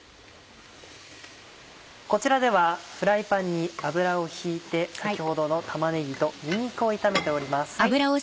こちらではフライパンに油を引いて先ほどの玉ねぎとにんにくを炒めております。